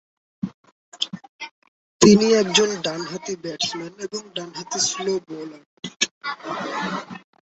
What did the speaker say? তিনি একজন ডানহাতি ব্যাটসম্যান এবং ডানহাতি স্লো বোলার।